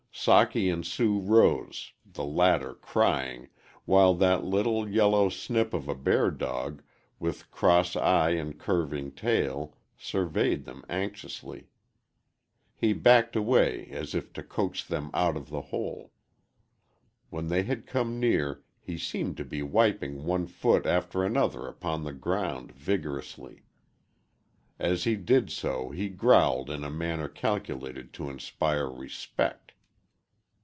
Socky and Sue rose, the latter crying, while that little, yellow snip of a bear dog, with cross eye and curving tail, surveyed them anxiously. He backed away as if to coax them out of the hole. When they had come near he seemed to be wiping one foot after another upon the ground vigorously. As he did so he growled in a manner calculated to inspire respect.